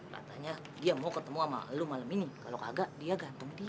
katanya dia mau ketemu sama lo malem ini kalo kagak dia gantung diri